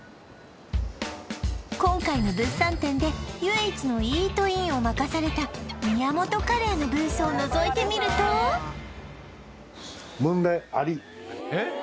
今回の物産展で唯一のイートインを任された宮本カレーのブースをのぞいてみるとえっ？